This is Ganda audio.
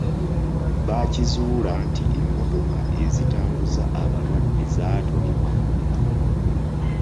Bakizuula nti emmotoka ezitambuza abalwadde zaatonebwa muntu.